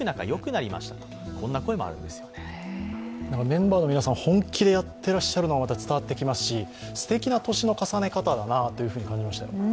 メンバーの皆さん、本気でやっていらっしゃるのが伝わってきますし、すてきな年の重ね方だなと感じましたね。